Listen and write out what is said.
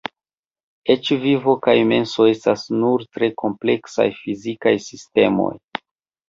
Eĉ vivo kaj menso estas nur tre kompleksaj fizikaj sistemoj.